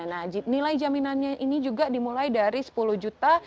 nah nilai jaminannya ini juga dimulai dari sepuluh juta